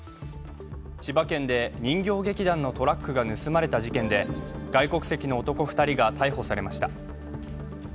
千葉県で人形劇団のトラックが盗まれた事件で外国籍の男２人が逮捕されました。